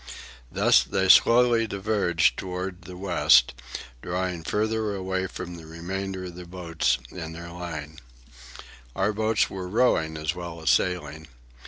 Thus they slowly diverged toward the west, drawing farther away from the remainder of the boats in their line. Our boats were rowing as well as sailing.